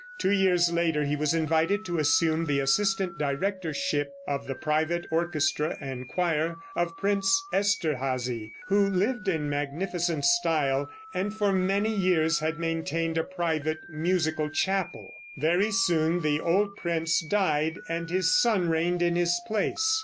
Two years later he was invited to assume the assistant directorship of the private orchestra and choir of Prince Esterhazy, who lived in magnificent style, and for many years had maintained a private musical chapel. Very soon the old prince died, and his son reigned in his place.